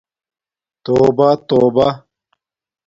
توبہ توبہ